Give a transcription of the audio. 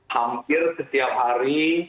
hampir setiap hari